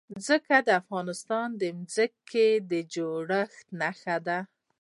ځمکه د افغانستان د ځمکې د جوړښت نښه ده.